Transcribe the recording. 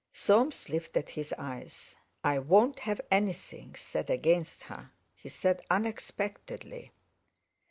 Soames lifted his eyes: "I won't have anything said against her," he said unexpectedly.